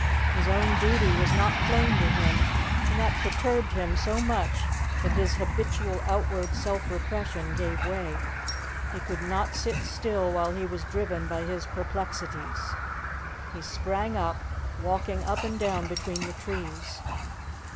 His own duty was not plain to him, and that perturbed him so much that his habitual outward self repression gave way. He could not sit still while he was driven by his perplexities. He sprang up, walking up and down between the trees.